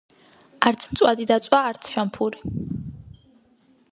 არც მწვადი დაწვა არც შამფური